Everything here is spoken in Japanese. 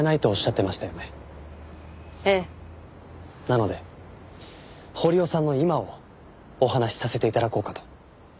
なので堀尾さんの今をお話しさせて頂こうかと。